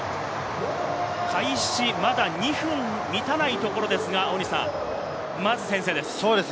開始まだ２分に満たないところですが、まず先制です。